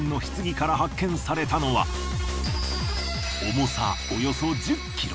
重さおよそ１０ｋｇ。